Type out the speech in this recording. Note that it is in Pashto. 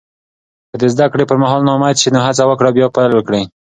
که د زده کړې پر مهال ناامید شې، نو هڅه وکړه بیا پیل کړې.